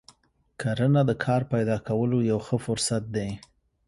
کرنه د کار پیدا کولو یو ښه فرصت دی.